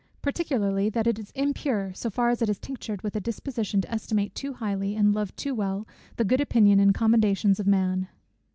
Particularly, that it is impure, so far as it is tinctured with a disposition to estimate too highly, and love too well, the good opinion and commendations of man.